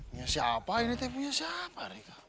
ini punya siapa